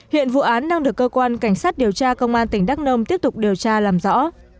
hiện vụ án đang được cơ quan cảnh sát điều tra công an tỉnh đắk nông tiếp tục điều tra làm rõ